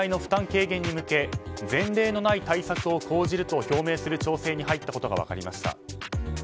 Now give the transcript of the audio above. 軽減に向け前例のない対策を講じると表明する調整に入ったことが分かりました。